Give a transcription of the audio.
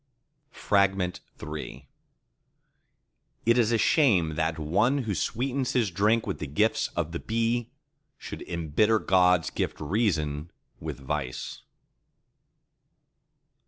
III It is a shame that one who sweetens his drink with the gifts of the bee, should embitter God's gift Reason with vice.